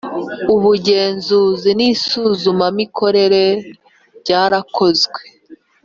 ubugenzuzi n isuzumamikorere ryarakozwe